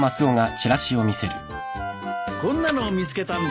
こんなの見つけたんだ。